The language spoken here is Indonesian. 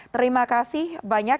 terima kasih banyak